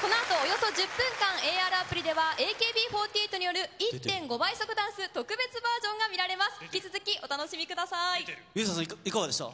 この後およそ１０分間、ＡＲアプリではＡＫＢ４８による１．５倍速ダンス特別バージョンが見られます。